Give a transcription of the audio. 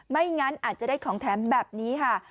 ไม่งั้นอาจจะได้ของแถมแบบนี้ค่ะ